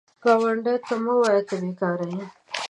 ګاونډي ته مه وایه “ته بېکاره یې”